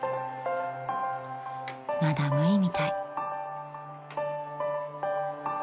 ［まだ無理みたい］